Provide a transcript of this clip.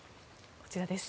こちらです。